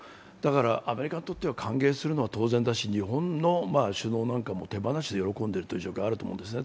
アメリカにとっては歓迎するのは当然だし日本の首脳なんかも手放しで喜んでいるという状況もあるわけですね。